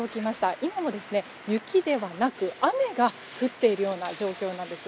今も、雪ではなく雨が降っているような状況なんです。